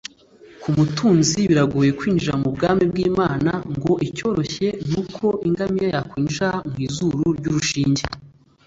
” Ku mutunzi biragoye kwinjira mu bwami bw’Imana ngo icyoroshye ni uko ingamiya yakwinjira mu izuru ry’urushinge